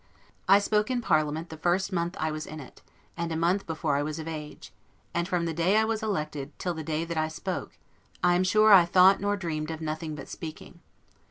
I spoke in parliament the first month I was in it, and a month before I was of age; and from the day I was elected, till the day that I spoke. I am sure I thought nor dreamed of nothing but speaking.